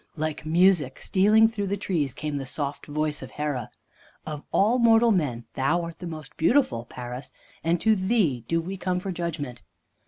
Like music stealing through the trees came the soft voice of Hera: "Of all mortal men thou art the most beautiful, Paris, and to thee do we come for judgment.